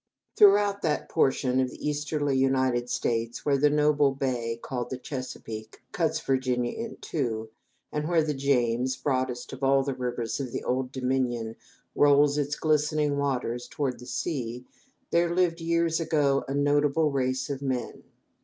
Throughout that portion of the easterly United States where the noble bay called the Chesapeake cuts Virginia in two, and where the James, broadest of all the rivers of the "Old Dominion," rolls its glittering waters toward the sea, there lived, years ago, a notable race of men.